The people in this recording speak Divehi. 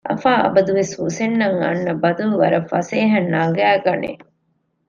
އަފާ އަބަދުވެސް ހުސެންއަށް އަންނަ ބަދަލު ވަރަށް ފަސޭހައިން ނަގައިގަނެ